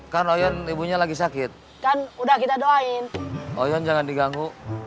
kan oyon ibunya lagi sakit kan udah kita doain loyon jangan diganggu